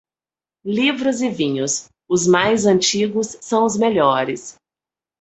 Livros e vinhos, os mais antigos são os melhores.